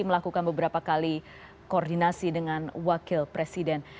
melakukan beberapa kali koordinasi dengan wakil presiden